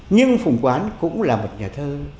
nhưng phùng quán cũng là một nhà thơ